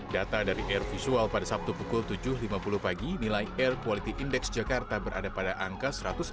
data dari air visual pada sabtu pukul tujuh lima puluh pagi nilai air quality index jakarta berada pada angka satu ratus enam puluh